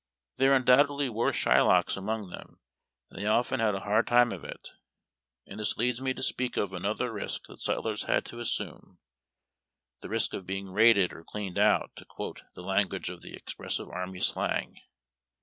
Tliere undoul)tedly were Shylocks among them, and they often had a hard time of it ; and this leads me to speak of another risk that sutlers had to assume — the risk of being raided — or "cleaned out," to quote the language of the ex pressive army slang.